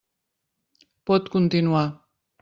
Pot continuar.